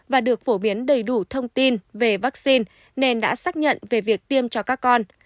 và được phổ biến đầy đủ thông tin về vaccine nên đã xác nhận về việc tiêm cho các con